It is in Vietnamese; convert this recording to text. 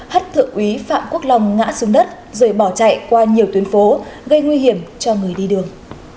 hất thượng úy phạm quốc long ngã xuống đất rồi bỏ chạy qua nhiều tuyến phố gây nguy hiểm cho người đi đường